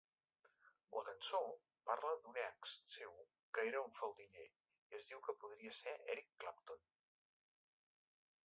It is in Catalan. La cançó parla d'un ex seu que era un faldiller i es diu que podria ser Eric Clapton.